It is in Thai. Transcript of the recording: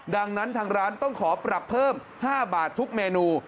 ดังนั้นทางร้านต้องขอปรับเพิ่ม๕บาททุกเมนู